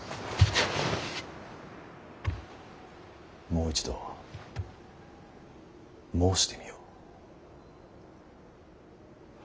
もう一度申してみよ。